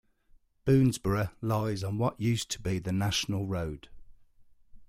Boonsboro lies on what used to be the National Road.